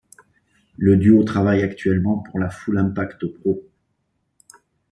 Le duo travaille actuellement pour la Full Impact Pro.